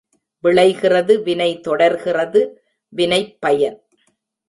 விளைகிறது வினை தொடர்கிறது வினைப்பயன்.